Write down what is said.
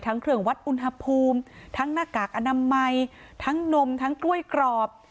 เครื่องวัดอุณหภูมิทั้งหน้ากากอนามัยทั้งนมทั้งกล้วยกรอบ